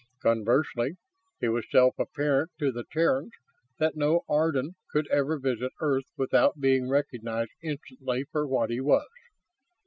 Conversely, it was self apparent to the Terrans that no Ardan could ever visit Earth without being recognized instantly for what he was.